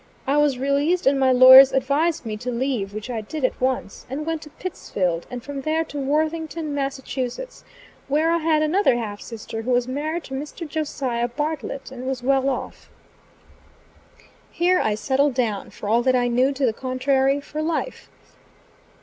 I was released, and my lawyers advised me to leave, which I did at once, and went to Pittsfield, and from there to Worthington, Mass., where I had another half sister, who was married to Mr. Josiah Bartlett, and was well off. Here I settled down, for all that I knew to the contrary, for life.